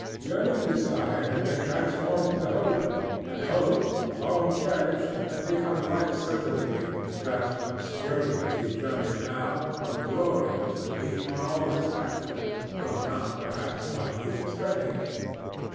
Yearning desire had been transformed to hope, and hope, long cherished, had become like certainty that, obscurely as he journeyed now, a glory was to beam on all his pathway, though not, perhaps, while he was treading it.